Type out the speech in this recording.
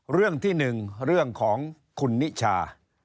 เรื่องที่๑เรื่องของคุณนิชา